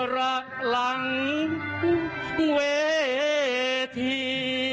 รักหลังเวที